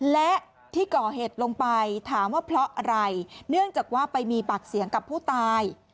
และที่ก่อเหตุลงไปถามว่าเพราะอะไรเนื่องจากว่าไปมีปากเสียงกับผู้ตาย